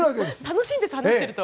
楽しいんです話していると。